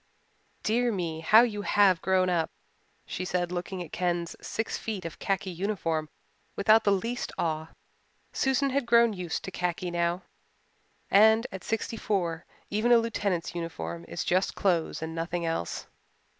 "Dear me, how you have grown up," she said, looking at Ken's six feet of khaki uniform without the least awe. Susan had grown used to khaki now, and at sixty four even a lieutenant's uniform is just clothes and nothing else.